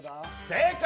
正解！